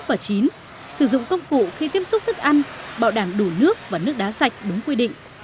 và sử dụng công cụ khi tiếp xúc thức ăn bảo đảm đủ nước và nước đá sạch đúng quy định